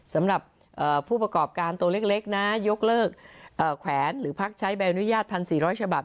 สำหรับผู้ประกอบการตัวเล็กนะยกเลิกแขวนหรือพักใช้ใบอนุญาต๑๔๐๐ฉบับ